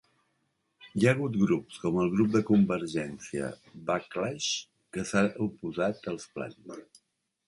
Hi ha hagut grups, com el grup de convergència Backlash, que s'han oposat als plans.